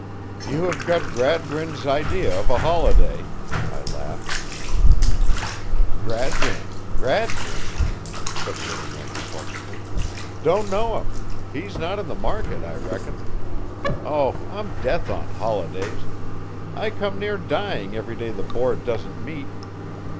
"You have got Gradgrind's idea of a holiday," I laughed. "Gradgrind, Gradgrind?" said the little man reflectively. "Don't know him. He's not in the market, I reckon. Oh, I'm death on holidays! I come near dying every day the Board doesn't meet.